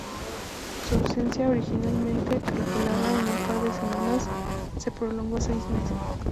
Su ausencia, originalmente calculada en un par de semanas, se prolongó seis meses.